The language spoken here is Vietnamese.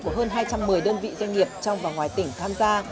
của hơn hai trăm một mươi đơn vị doanh nghiệp trong và ngoài tỉnh tham gia